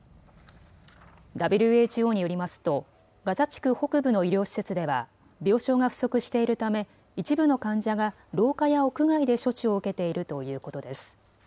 ＷＨＯによりますとガザ地区北部の医療施設では病床が不足しているため一部の患者が廊下や屋外で処置を受けているということです。